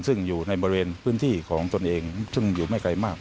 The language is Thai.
ซึ่งอยู่ในบริเวณพื้นที่ของตนเองซึ่งอยู่ไม่ไกลมาก